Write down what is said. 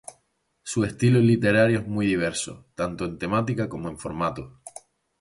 Su estilo literario es muy diverso, tanto en temática como en formato.